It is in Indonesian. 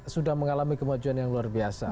sudah mengalami kemajuan yang luar biasa